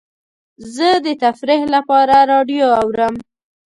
زه د تفریح لپاره راډیو اورم.